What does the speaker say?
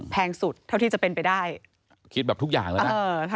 สุดเท่าที่จะเป็นไปได้คิดแบบทุกอย่างแล้วนะ